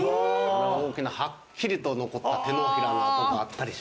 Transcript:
大きなはっきりと残った手のひらの跡があったりします。